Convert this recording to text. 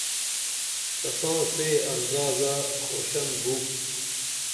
تساں سے اندازہ کھوشن بو